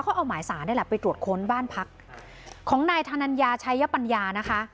เขาเอาหมายสารนี่แหละไปตรวจค้นบ้านพักของนายธนัญญาชัยปัญญานะคะ